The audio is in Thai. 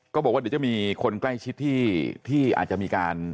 ก็บอกว่าจะมีคนใกล้ชิดที่ที่อาจจะมีการ